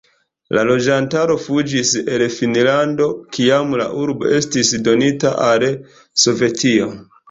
La loĝantaro fuĝis al Finnlando, kiam la urbo estis donita al Sovetio.